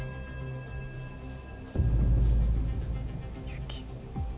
雪。